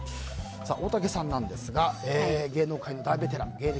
大竹さんなんですが芸能界の大ベテラン芸歴